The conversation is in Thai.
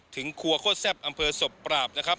ถึงครัวโค้ดแซ่บอำเภอสบปราบนะครับ